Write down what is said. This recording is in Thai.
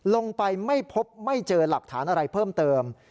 ไม่พบไม่เจอหลักฐานอะไรเพิ่มเติม